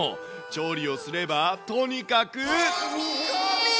調理をすれば、とにかく。